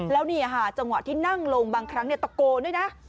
แล้วนี่ค่ะจังหวะที่นั่งลงบางครั้งตะโกนด้วยนะ